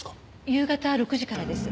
夕方６時からです。